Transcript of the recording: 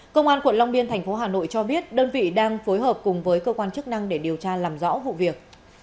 công an quận long biên thành phố hà nội cho biết đơn vị đang phối hợp cùng với cơ quan chức năng để điều tra làm rõ vụ việc